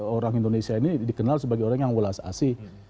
orang indonesia ini dikenal sebagai orang yang walas asi